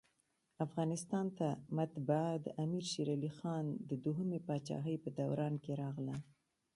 افغانستان ته مطبعه دامیر شېرعلي خان د دوهمي پاچاهۍ په دوران کي راغله.